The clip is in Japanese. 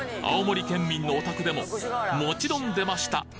青森県民のお宅でももちろん出ました